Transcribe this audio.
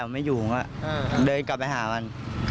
เหมือนเดินกลับไปหามัน